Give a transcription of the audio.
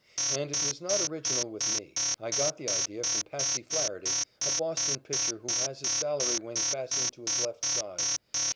And it was not original with me. I got the idea from "Patsy" Flaherty, a Boston pitcher who has his salary wing fastened to his left side.